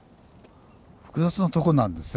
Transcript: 複雑なとこなんですね